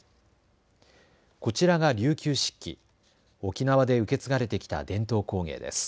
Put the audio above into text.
こちらが琉球漆器、沖縄で受け継がれてきた伝統工芸です。